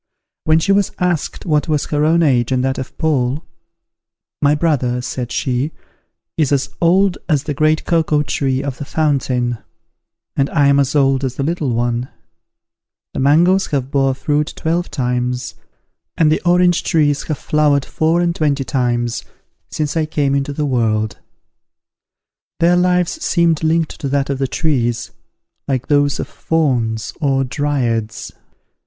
When she was asked what was her own age and that of Paul, "My brother," said she, "is as old as the great cocoa tree of the fountain; and I am as old as the little one: the mangoes have bore fruit twelve times and the orange trees have flowered four and twenty times, since I came into the world." Their lives seemed linked to that of the trees, like those of Fauns or Dryads.